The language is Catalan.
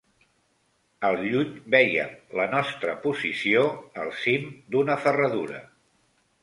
Al lluny vèiem la nostra «posició» al cim d'una ferradura